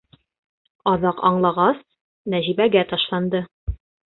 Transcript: Аҙаҡ аңлағас, Нәжибәгә ташланды.